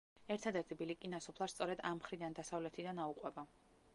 ერთადერთი ბილიკი ნასოფლარს სწორედ ამ მხრიდან, დასავლეთიდან აუყვება.